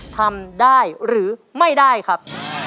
ทำได้หรือไม่ได้ครับ